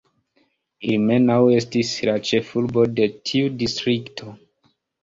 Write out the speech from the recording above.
Ilmenau estis la ĉefurbo de tiu distrikto.